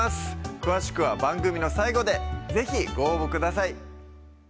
詳しくは番組の最後で是非ご応募ください